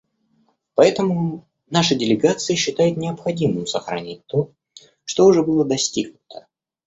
Поэтому наша делегация считает необходимым сохранить то, что уже было достигнуто.